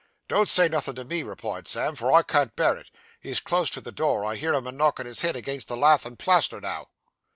'Don't say nothin' to me,' replied Sam, 'for I can't bear it. He's close to the door. I hear him a knockin' his head again the lath and plaster now.